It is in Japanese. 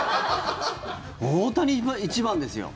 大谷が１番ですよ。